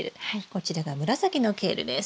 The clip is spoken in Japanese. こちらが紫のケールです。